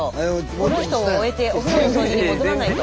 この人を終えてお風呂の掃除に戻らないと。